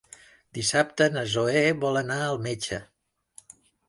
Dissabte na Zoè vol anar al metge.